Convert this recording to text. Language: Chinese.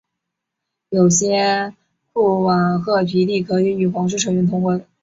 有些库瓦赫皮利可以与皇室成员通婚。